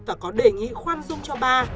và có đề nghị khoan dung cho bà